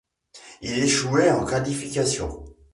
Il échouait en qualifications.